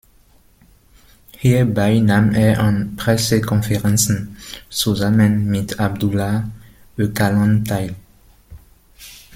Hierbei nahm er an Pressekonferenzen zusammen mit Abdullah Öcalan teil.